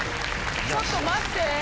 ちょっと待って。